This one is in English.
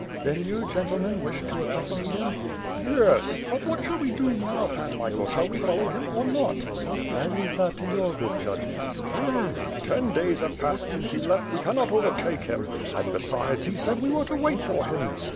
"Then, you, gentlemen, wished to accompany him?" "Yes. But what shall we do now. Pan Michael, shall we follow him or not?" "I leave that to your good judgment." "H'ml ten days have passed since he left — ^we cannot over take him, and besides, he said we were to wait for him.